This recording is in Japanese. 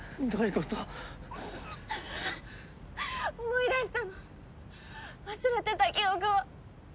思い出したの忘れてた記憶を。